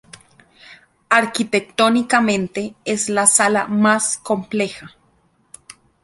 Arquitectónicamente es la sala más compleja.